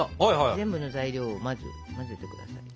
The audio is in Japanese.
全部の材料を混ぜて下さい。